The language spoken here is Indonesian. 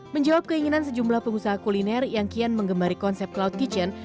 menjawab keinginan sejumlah pengusaha kuliner yang kian mengemari konsep cloud kitchen